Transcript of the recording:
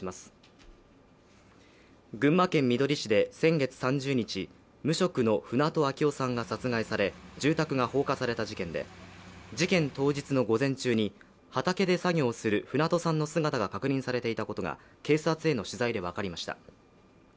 群馬県みどり市で先月３０日無職の船戸秋雄さんが殺害され住宅が放火された事件で、事件当日の午前中に、畑で作業をする船戸さんの姿が確認されていたことが警察への取材で分かりました。